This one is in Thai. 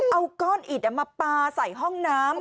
เอาก้อนอิดมาปลาใส่ห้องน้ำ